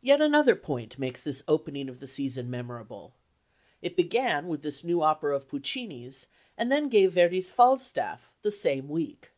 Yet another point makes this opening of the season memorable. It began with this new opera of Puccini's, and then gave Verdi's Falstaff the same week.